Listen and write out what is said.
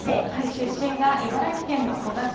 出身が茨城県の古河市。